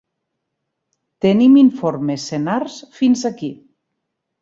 Tenim informes senars fins aquí.